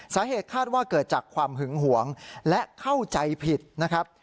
สาเหตุคาดว่าเกิดจากความหึงหวงและเข้าใจผิดนะครับ